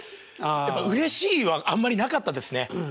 やっぱ「うれしい」はあんまりなかったですね。